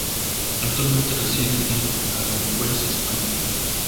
Actualmente reside en Aranjuez, España.